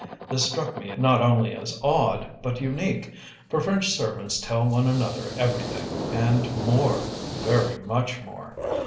This struck me not only as odd, but unique, for French servants tell one another everything, and more very much more.